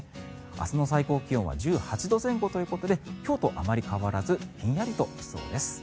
明日の最高気温は１８度前後ということで今日とあまり変わらずひんやりとしそうです。